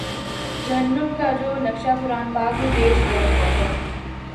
جہنم کا جو نقشہ قرآن پاک میں پیش کیا گیا ہے